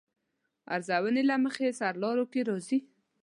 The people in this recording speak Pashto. ارزونې له مخې سرلارو کې راځي.